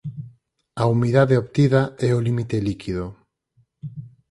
A humidade obtida é o Límite Líquido.